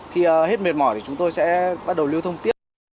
khi hết mệt mỏi thì chúng tôi sẽ bắt đầu lưu thông tiếp